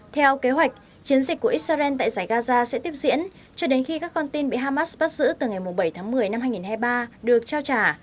theo kế hoạch chiến dịch của israel tại giải gaza sẽ tiếp diễn cho đến khi các con tin bị hamas bắt giữ từ ngày bảy tháng một mươi năm hai nghìn hai mươi ba được trao trả